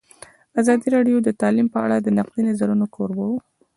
ازادي راډیو د تعلیم په اړه د نقدي نظرونو کوربه وه.